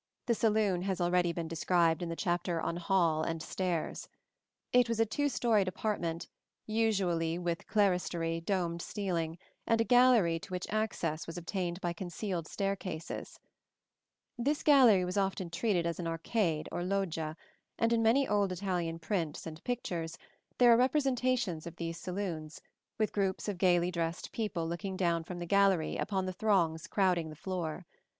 The saloon has already been described in the chapter on Hall and Stairs. It was a two storied apartment, usually with clerestory, domed ceiling, and a gallery to which access was obtained by concealed staircases (see Plates XLII and XLIII). This gallery was often treated as an arcade or loggia, and in many old Italian prints and pictures there are representations of these saloons, with groups of gaily dressed people looking down from the gallery upon the throngs crowding the floor.